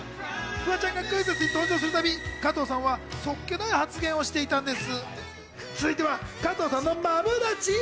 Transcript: フワちゃんがクイズッスに登場するたび、加藤さんはそっけない発言をしていたんです。